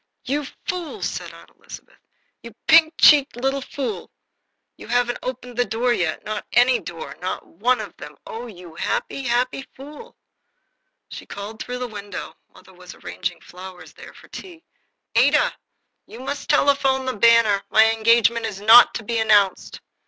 "You fool!" said Aunt Elizabeth. "You pink cheeked little fool! You haven't opened the door yet not any door, not one of them oh, you happy, happy fool!" She called through the window (mother was arranging flowers there for tea): "Ada, you must telephone the Banner. My engagement is not to be announced."